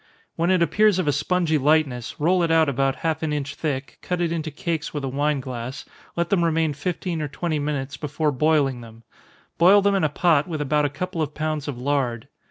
When it appears of a spongy lightness, roll it out about half an inch thick, cut it into cakes with a wine glass, let them remain fifteen or twenty minutes before boiling them boil them in a pot, with about a couple of pounds of lard.